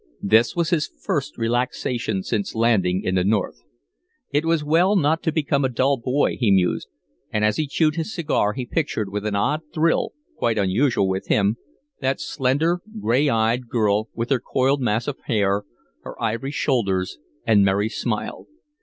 This was his first relaxation since landing in the North. It was well not to become a dull boy, he mused, and as he chewed his cigar he pictured with an odd thrill, quite unusual with him, that slender, gray eyed girl, with her coiled mass of hair, her ivory shoulders, and merry smile.